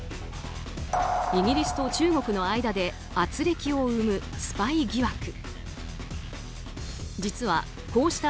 イギリスと中国の間で軋轢を生むスパイ疑惑。